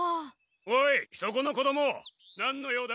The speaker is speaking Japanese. おいそこの子どもなんの用だ？